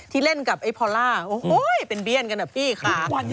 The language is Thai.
ที่เล่นกับพอลล่าโอ้โห้ยเป็นเบี้ยนกันอ่ะปีค่ะ